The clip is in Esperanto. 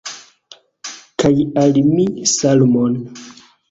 Kaj al mi salmon.